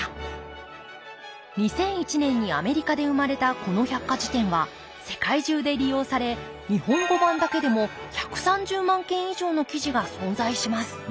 ２００１年にアメリカで生まれたこの百科事典は世界中で利用され日本語版だけでも１３０万件以上の記事が存在します